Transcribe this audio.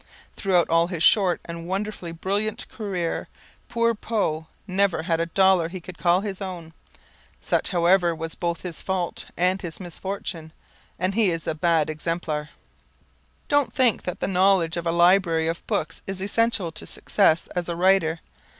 Throughout all his short and wonderfully brilliant career, poor Poe never had a dollar he could call his own. Such, however, was both his fault and his misfortune and he is a bad exemplar. Don't think that the knowledge of a library of books is essential to success as a writer.